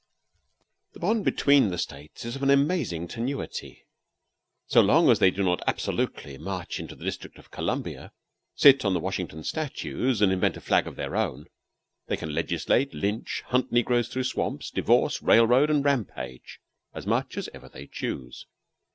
The bond between the States is of an amazing tenuity. So long as they do not absolutely march into the District of Columbia, sit on the Washington statues, and invent a flag of their own, they can legislate, lynch, hunt negroes through swamps, divorce, railroad, and rampage as much as ever they choose.